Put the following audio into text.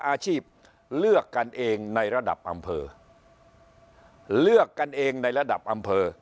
อาชีพเลือกกันเองในระดับอำเภอเลือกกันเองในระดับอำเภอ